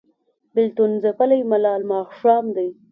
بیلتون ځپلی ملال ماښام دی